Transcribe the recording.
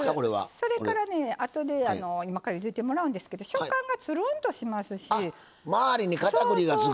それからね、あとで今からゆでてもらうんですけど食感がつるんとしますし。